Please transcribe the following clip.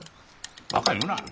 バカ言うな。